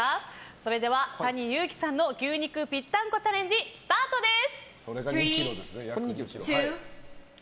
それではＴａｎｉＹｕｕｋｉさんの牛肉ぴったんこチャレンジスタートです。